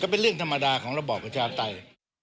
เป็นเรื่องธรรมดาของระบอบประชาปไตย